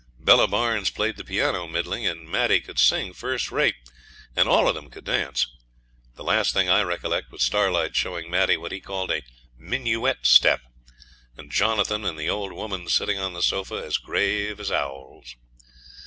Bella Barnes played the piano middling, and Maddie could sing first rate, and all of them could dance. The last thing I recollect was Starlight showing Maddie what he called a minuet step, and Jonathan and the old woman sitting on the sofa as grave as owls.